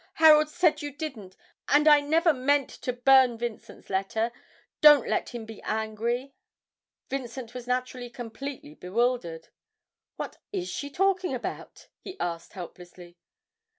Harold said you didn't. And I never meant to burn Vincent's letter. Don't let him be angry!' Vincent was naturally completely bewildered. 'What is she talking about?' he asked helplessly.